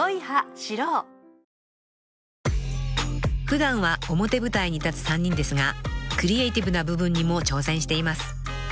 ［普段は表舞台に立つ３人ですがクリエーティブな部分にも挑戦しています］